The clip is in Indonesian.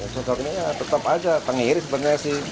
secukupnya tetap aja tenggiri sebenarnya sih